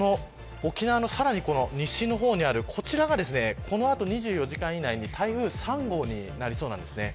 この沖縄のさらに西の方にあるこちらがこの後、２４時間以内に台風３号になりそうなんです。